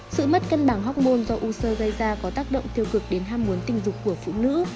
sự mất cân bằng hóc môn do u sơ gây ra có tác động tiêu cực đến ham muốn tình dục của phụ nữ